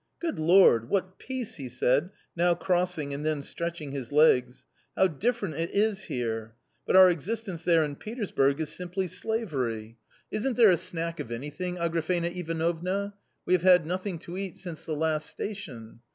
" Good Lord ! what peace !" he said, now crossing and then stretching his legs, " how different it is here ! But our existence there in Petersburg is simply slavery ! Isn't there 244 A COMMON STORY a snack of anything, Agrafena Ivanovna? we have had nothing to eat since the last station."